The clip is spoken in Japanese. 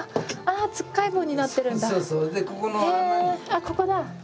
あっここだ。